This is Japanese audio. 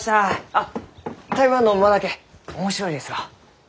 あっ台湾のマダケ面白いですろう？